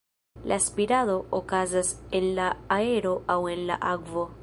La spirado okazas en la aero aŭ en la akvo.